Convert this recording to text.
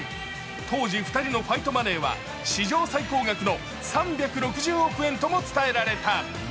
当時２人のファイトマネーは史上最高額の３６０億円とも伝えられた。